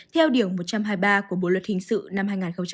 theo điều một trăm hai mươi ba của bộ luật hình sự năm hai nghìn một mươi năm